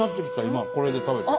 今これで食べて。